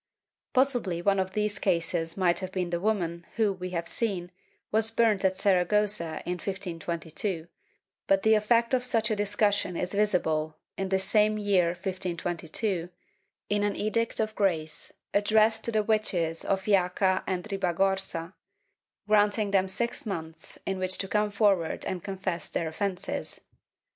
^ Possibly one of these cases may have been the woman who, we have seen, was burnt at Saragossa in 1522, but the effect of such a discussion is visible, in this same year 1522, in an Edict of Grace addressed to the witches of Jaca and Ribagorza, granting them six months in which to come forward and confess their offences.